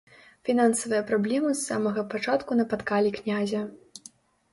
Фінансавыя праблемы з самага пачатку напаткалі князя.